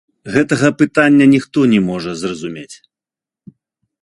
Гэтага пытання ніхто не можа зразумець.